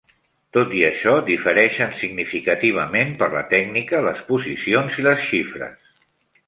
Tot i això, difereixen significativament per la tècnica, les posicions i les xifres.